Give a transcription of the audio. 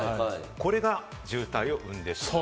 これが渋滞を生んでしまう。